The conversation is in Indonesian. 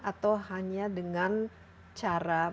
atau hanya dengan cara